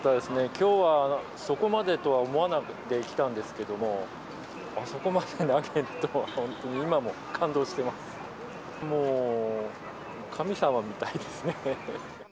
きょうはそこまでとは思わなくって来たんですけども、あそこまで投げるとは、本当に今も感動しています。